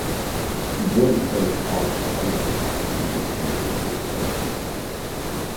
Zink plays college tennis at the University of Georgia.